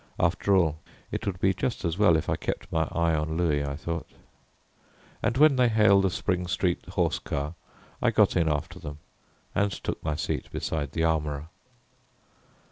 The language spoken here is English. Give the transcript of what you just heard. After all it would be just as well if I kept my eye on Louis, I thought, and when they hailed a Spring Street horse car, I got in after them and took my seat beside the armourer.